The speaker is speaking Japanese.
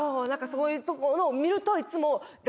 そういうところを見るといつも。